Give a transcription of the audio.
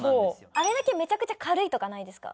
あれだけメチャクチャ軽いとかないですか？